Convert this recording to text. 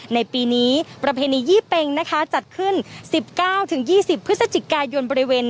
ในปีนี้ประเพณียี่เป็งนะคะจัดขึ้น๑๙๒๐พฤศจิกายนบริเวณ